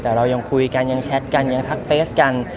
แต่เรายังคุยกันยังแชทกันยังทักเฟสกัน